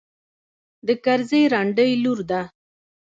د کرزي رنډۍ لور ده.